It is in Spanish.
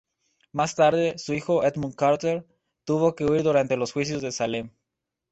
Más tarde, su hijo Edmund Carter tuvo que huir durante los Juicios de Salem.